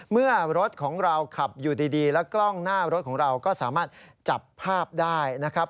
เมื่อรถของเราขับอยู่ดีแล้วกล้องหน้ารถของเราก็สามารถจับภาพได้นะครับ